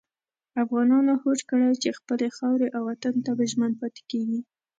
افغانانو هوډ کړی چې خپلې خاورې او وطن ته به ژمن پاتې کېږي.